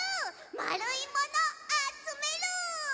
まるいものあつめる！